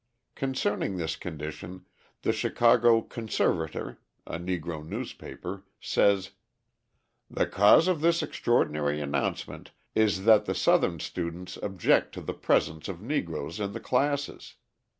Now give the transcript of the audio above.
Concerning this condition, the Chicago Conservator, a Negro newspaper, says: "The cause of this extraordinary announcement is that the Southern students object to the presence of Negroes in the classes.